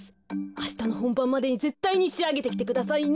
あしたのほんばんまでにぜったいにしあげてきてくださいね！